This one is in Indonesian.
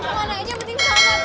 kemana aja penting banget